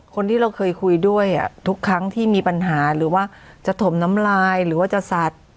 คนที่เราเคยคุยด้วยทุกครั้งที่มีปัญหาหรือว่าจะถมน้ำลายหรือว่าจะสัตว์